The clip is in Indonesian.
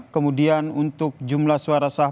kemudian untuk jumlah suara sah